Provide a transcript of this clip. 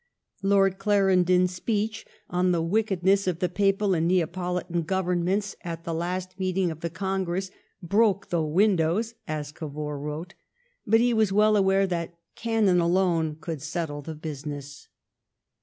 Lord Clarendon's speech on the wickedness of the Papal and Neapolitan governments at the last meeting of the Con gress *^ broke the windows/' as Cavour wrote^ but he was well aware that '^ cannon alone could settle the business.'''